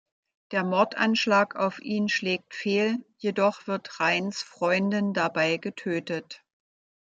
Der Mordanschlag auf ihn schlägt fehl, jedoch wird Raines’ Freundin dabei getötet.